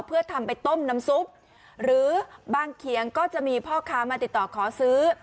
เพื่อทำไปต้มน้ำซุปหรือบางเขียงก็จะมีพ่อค้ามาติดต่อขอซื้อ